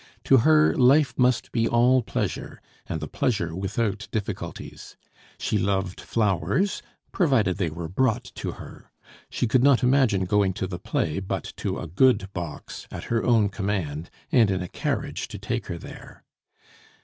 To her, life must be all pleasure; and the pleasure without difficulties. She loved flowers, provided they were brought to her. She could not imagine going to the play but to a good box, at her own command, and in a carriage to take her there.